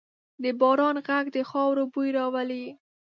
د باران ږغ د خاورو بوی راولي.